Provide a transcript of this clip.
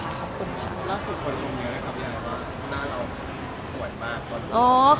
ขอบคุณค่ะแล้วคุณคนชมเยอะนะครับอย่างไรบ้างหน้าเราสวยมาก